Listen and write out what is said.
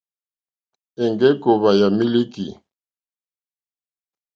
Èŋɡé kòòwà yà mílíkì.